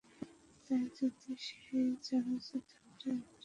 তাই যদি সেই জারজ ইঁদুরটা একটা মেয়ে হয়?